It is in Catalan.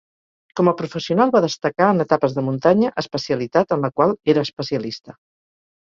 Com a professional va destacar en etapes de muntanya, especialitat en la qual era especialista.